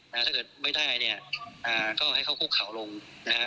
ถ้าเกิดไม่ได้เนี่ยอ่าก็ให้เขาคุกเขาลงนะฮะ